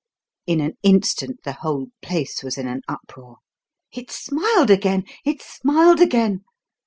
In an instant the whole place was in an uproar. "It smiled again! It smiled again!"